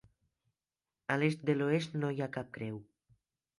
A l'est de l'oest no hi ha cap creu.